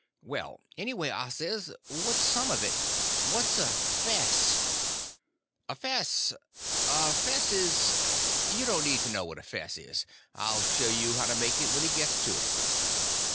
"Well, anyway," I says, "what's some of it? What's a fess?" "A fess—a fess is—you don't need to know what a fess is. I'll show him how to make it when he gets to it."